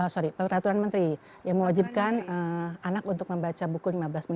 sorry peraturan menteri yang mewajibkan anak untuk membaca buku lima belas menit